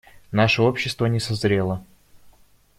Наше общество не созрело.